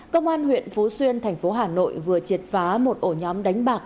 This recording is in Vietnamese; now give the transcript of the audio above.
công an huyện phú xuyên thành phố hà nội vừa triệt phá một ổ nhóm đánh bạc